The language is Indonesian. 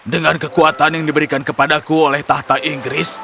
dengan kekuatan yang diberikan kepadaku oleh tahta inggris